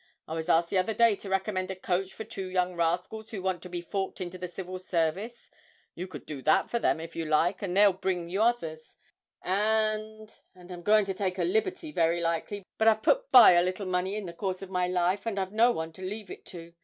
I was asked the other day to recommend a coach to two young rascals who want to be forked into the Civil Service. You could do that for them if you liked, and they'd bring you others. And and I'm going to take a liberty very likely, but I've put by a little money in the course of my life, and I've no one to leave it to.